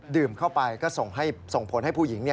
ดื่มเข้าไปก็ส่งผลให้ผู้หญิง